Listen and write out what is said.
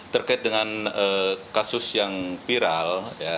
terkait dengan kasus yang viral